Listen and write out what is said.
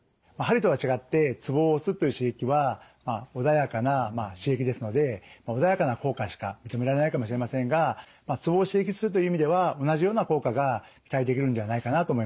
鍼とは違ってツボを押すという刺激は穏やかな刺激ですので穏やかな効果しか認められないかもしれませんがツボを刺激するという意味では同じような効果が期待できるんではないかなと思います。